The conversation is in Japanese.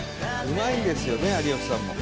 うまいんですよね有吉さんも。